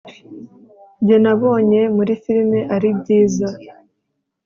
njye nabonye muri firime ari byiza